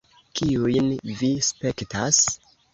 Kiujn vi spektas?